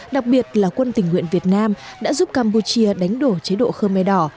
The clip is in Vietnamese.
đặc biệt là quân tình nguyện việt nam đã giúp campuchia đánh đổ chế độ khơ mê đỏ